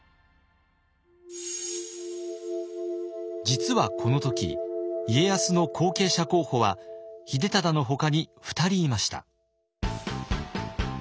実はこの時家康の後継者候補は秀忠のほかに２人いました。